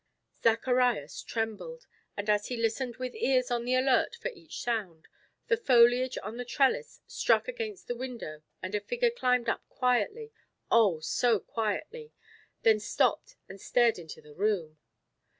Zacharias trembled; and as he listened with ears on the alert for each sound, the foliage on the trellis struck against the window and a figure climbed up quietly oh so quietly then stopped and stared into the room.